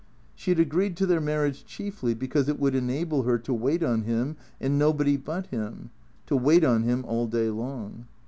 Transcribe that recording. She had agreed to their marriage chiefly because it would enable her to wait on him and nobody but him, to wait on him all day long.